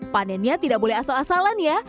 panennya tidak boleh asal asalan ya